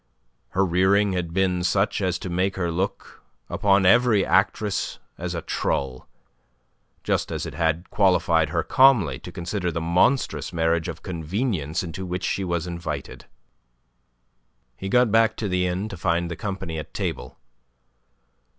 Her rearing had been such as to make her look upon every actress as a trull, just as it had qualified her calmly to consider the monstrous marriage of convenience into which she was invited. He got back to the inn to find the company at table.